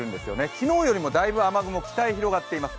昨日よりもだいぶ雨雲、北へ広がっています。